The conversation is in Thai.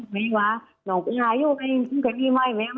แม่ก็ไม่ได้เอียดใจแล้ว